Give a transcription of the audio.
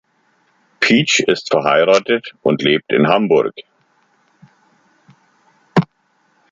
Paech ist verheiratet und lebt in Hamburg.